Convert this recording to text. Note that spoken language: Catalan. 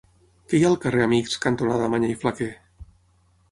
Què hi ha al carrer Amics cantonada Mañé i Flaquer?